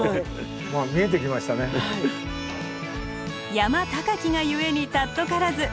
山高きが故に貴からず。